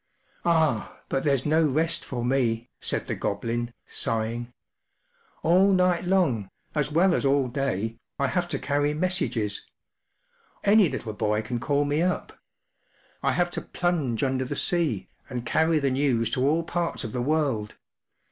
” “Ah, but there’s no rest for me,” said the Goblin, sighing. “ All night long, as well as all day, I have to carry messages. Any little boy can call me up. I have to plunge under the sea, and carry the news to all parts of the world.